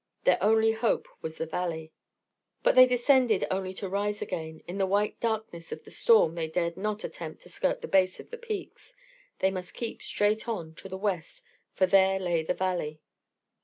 Their only hope was the valley. But they descended only to rise again: in the white darkness of the storm they dared not attempt to skirt the base of the peaks; they must keep straight on, to the west, for there lay the valley.